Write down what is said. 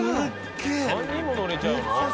３人も乗れちゃうの？